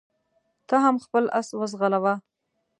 ته هم خپل اس وځغلوه.